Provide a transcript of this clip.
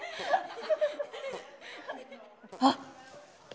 あっ。